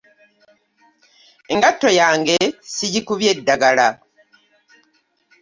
Engatto yange sagikubye ddagala.